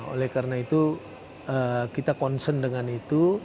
oleh karena itu kita concern dengan itu